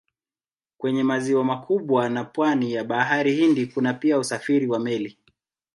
Kwenye maziwa makubwa na pwani ya Bahari Hindi kuna pia usafiri wa meli.